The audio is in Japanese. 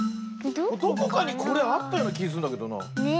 どこかにこれあったようなきすんだけどな。ね。